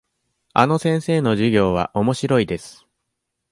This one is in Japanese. あの先生の授業はおもしろいです。